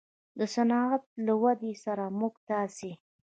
د صنعت له ودې سره موږ تاسې